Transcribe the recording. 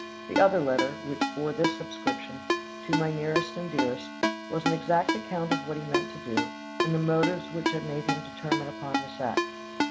The other letter, which bore this superscription, "To my nearest and dearest," was an exact account of what he meant to do, and the motives which had made him determine upon this act.